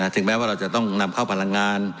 ถึงแม้ว่าเราจะต้องนำเข้าพลังงาน